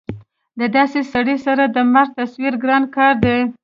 د داسې سړي سره د مرګ تصور ګران کار دی